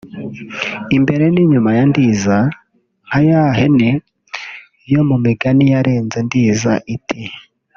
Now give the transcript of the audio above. “imbere n’inyuma ya Ndiza” nka ya hene yo mu migani yarenze Ndiza iti